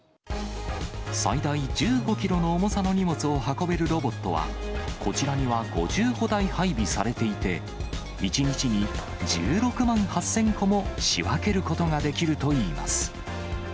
最大１５キロの重さの荷物を運べるロボットは、こちらには５５台配備されていて、１日に１６万８０００個も仕分けることができるといいます。